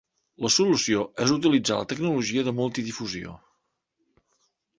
La solució és utilitzar la tecnologia de multidifusió.